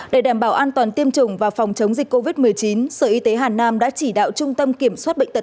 để đảm bảo an toàn tiêm chủng và phòng chống dịch covid một mươi chín sở y tế hà nam đã chỉ đạo trung tâm kiểm soát bệnh tật